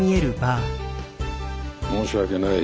申し訳ない。